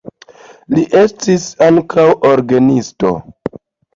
Li estis ankaŭ orgenisto.